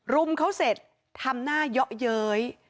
รุมเขาเสร็จทำหน้าเยาะเย้ย